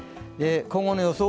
今後の予想